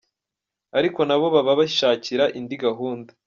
ariko na bo baba bishakira indi gahunda.